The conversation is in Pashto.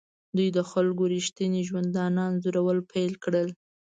دوی د خلکو ریښتیني ژوندانه انځورول پیل کړل.